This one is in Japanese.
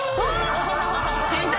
変態！